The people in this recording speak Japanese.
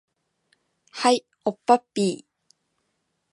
はい、おっぱっぴー